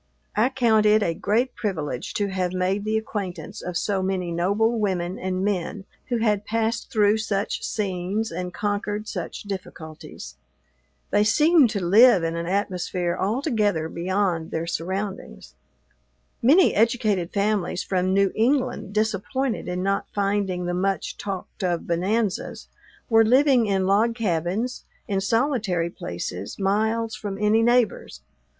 I count it a great privilege to have made the acquaintance of so many noble women and men who had passed through such scenes and conquered such difficulties. They seemed to live in an atmosphere altogether beyond their surroundings. Many educated families from New England, disappointed in not finding the much talked of bonanzas, were living in log cabins, in solitary places, miles from any neighbors.